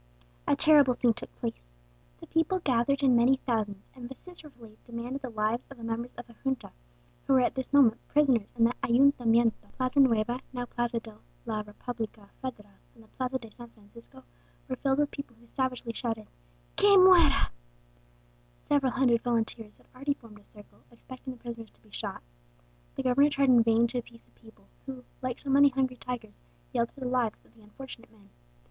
"A terrible scene took place. The people gathered in many thousands, and vociferously demanded the heads of the members of the Junta, who were at this moment prisoners in the Ayuntamiento. The Plaza Nueva, now Plaza de la Republica Federal, and the Plaza de San Francisco, were filled with people who savagely shouted, 'Que muera!' Several hundred volunteers had already formed a circle, expecting the prisoners to be shot. The governor tried in vain to appease the people, who, like so many hungry tigers, yelled for the lives of the unfortunate men.